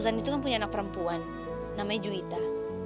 azan itu kan punya anak perempuan namanya juwita